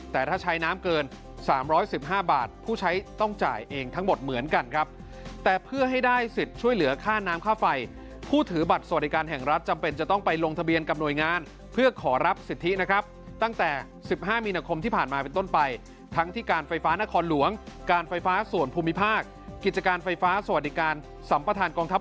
แต่ถ้าใช้น้ำเกิน๓๑๕บาทผู้ใช้ต้องจ่ายเองทั้งหมดเหมือนกันครับแต่เพื่อให้ได้สิทธิ์ช่วยเหลือค่าน้ำค่าไฟผู้ถือบัตรสวัสดิการแห่งรัฐจำเป็นจะต้องไปลงทะเบียนกับหน่วยงานเพื่อขอรับสิทธินะครับตั้งแต่๑๕มีนาคมที่ผ่านมาเป็นต้นไปทั้งที่การไฟฟ้านครหลวงการไฟฟ้าส่วนภูมิภาคกิจการไฟฟ้าสวัสดิการสัมประธานกองทั